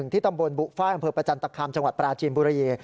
ที่ตำบลบุฟ้ายอำเภอประจันตคามจังหวัดปราจีนบุรี